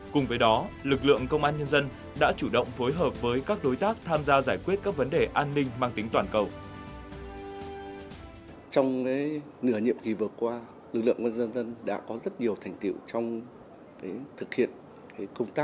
cùng với đó lực lượng công an nhân dân đã chủ động phối hợp với các đối tác tham gia giải quyết các vấn đề an ninh mang tính toàn cầu